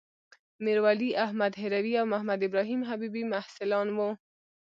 میرولی احمد هروي او محمدابراهیم حبيبي محصلان وو.